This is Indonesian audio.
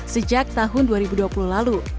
sejak tahun dua ribu dua puluh lalu